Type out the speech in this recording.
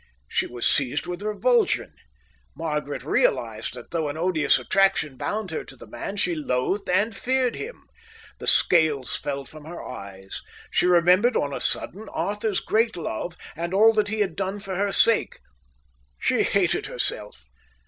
She was seized with revulsion. Margaret realized that, though an odious attraction bound her to the man, she loathed and feared him. The scales fell from her eyes. She remembered on a sudden Arthur's great love and all that he had done for her sake. She hated herself.